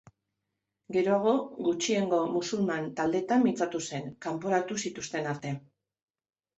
Geroago, gutxiengo musulman taldeetan mintzatu zen, kanporatu zituzten arte.